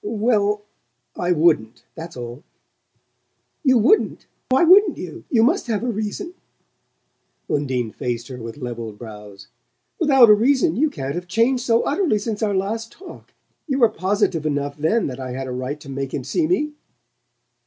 "Well I wouldn't, that's all." "You wouldn't? Why wouldn't you? You must have a reason." Undine faced her with levelled brows. "Without a reason you can't have changed so utterly since our last talk. You were positive enough then that I had a right to make him see me."